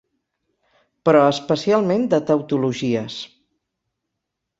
Però especialment de tautologies.